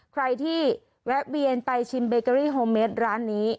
ใครที่แวะเวียนไปชิมเบเกอรี่โฮเมดร้านนี้